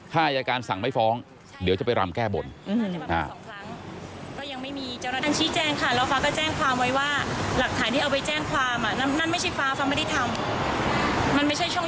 ถ้าอายการสั่งไม่ฟ้องเดี๋ยวจะไปรำแก้บน